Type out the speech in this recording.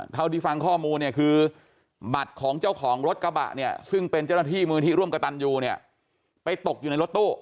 เท่าที่ฟังข้อมูลเนี่ยคือบัตรของเจ้าของรถกระบะเนี่ยซึ่งเป็นเจ้าหน้าที่มูลที่ร่วมกระตันยูเนี่ยไปตกอยู่ในรถตู้